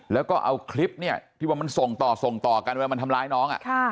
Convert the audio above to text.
แล้วก็เอาคลิปที่ว่ามันส่งต่อกันว่ามันทำลายน้อง